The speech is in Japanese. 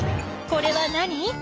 これは何？